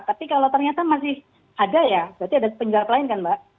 tapi kalau ternyata masih ada ya berarti ada penjahat lain kan mbak